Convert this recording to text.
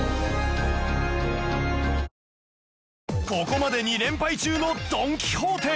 ここまで２連敗中のドン・キホーテ